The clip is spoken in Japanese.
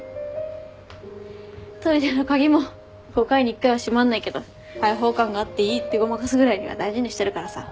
トイレの鍵も５回に１回は閉まんないけど開放感があっていいってごまかすぐらいには大事にしてるからさ。